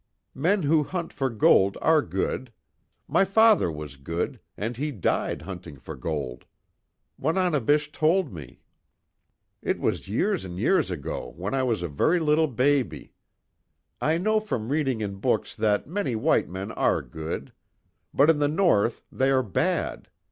"Men who hunt for gold are good. My father was good, and he died hunting for gold. Wananebish told me. It was years and years ago when I was a very little baby. I know from reading in books that many white men are good. But in the North they are bad.